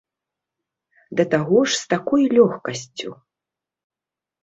Да таго ж з такой лёгкасцю.